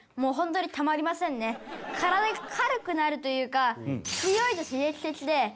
体が軽くなるというか。